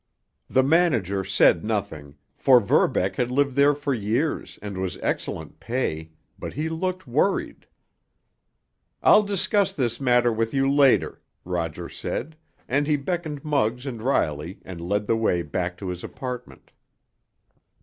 The manager said nothing, for Verbeck had lived there for years and was excellent pay, but he looked worried. "I'll discuss this matter with you later," Roger said, and he beckoned Muggs and Riley and led the way back to his apartment.